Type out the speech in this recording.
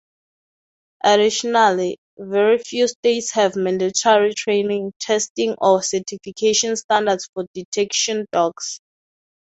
Additionally, very few states have mandatory training, testing, or certification standards for detection dogs.